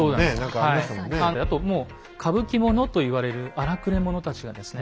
あと「傾奇者」と言われる荒くれ者たちがですね